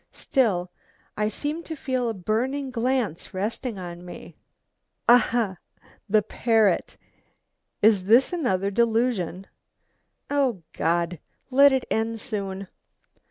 Still I seem to feel a burning glance resting on me. Ah! the parrot! is this another delusion? Oh God, let it end soon!